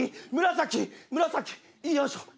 紫紫よいしょ。